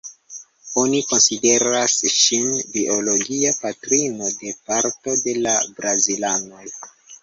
Oni konsideras ŝin biologia patrino de parto de la brazilanoj.